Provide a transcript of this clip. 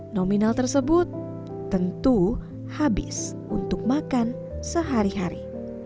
nominal tersebut tentu habis untuk makan sehari hari